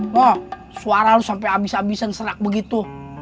nih suara lu sampe abis abisan serak begitu